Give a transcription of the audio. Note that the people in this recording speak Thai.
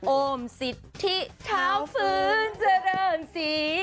โอมสิทธิเท้าฟื้นเจริญศรี